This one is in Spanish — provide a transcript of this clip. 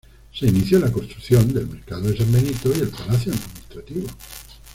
Se inició la construcción del Mercado de San Benito y el Palacio Administrativo.